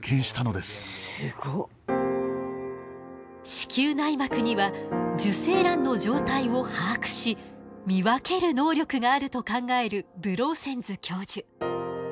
子宮内膜には受精卵の状態を把握し見分ける能力があると考えるブローセンズ教授。